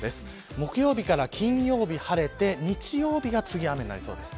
木曜日から金曜日は晴れて日曜日が雨になりそうです。